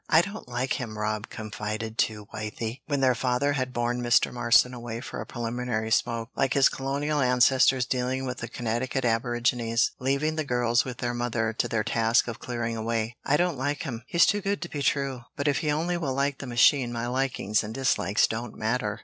"I don't like him," Rob confided to Wythie, when their father had borne Mr. Marston away for a preliminary smoke like his colonial ancestors dealing with the Connecticut aborigines leaving the girls with their mother to their task of clearing away. "I don't like him he's too good to be true but if he only will like the machine my likings and dislikes don't matter."